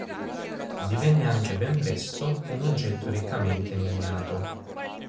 Divenne anche ben presto, un oggetto riccamente miniato.